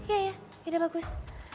ya ya ini bagus